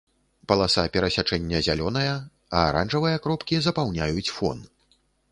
Паласа перасячэння зялёная, а аранжавыя кропкі запаўняюць фон.